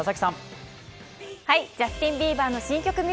ジャスティン・ビーバーの新曲